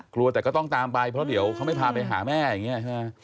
กลัวแต่ก็ต้องตามไปเพราะเดี๋ยวเขาไม่พาไปหาแม่อย่างนี้ใช่ไหม